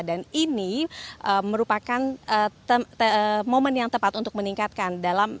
dan ini merupakan momen yang tepat untuk meningkatkan